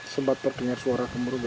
sempat terdengar suara gemuruh